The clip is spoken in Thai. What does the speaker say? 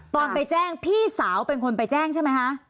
ตอนไปแจ้งพี่สาวเป็นคนไปแจ้งใช่ไหมคะ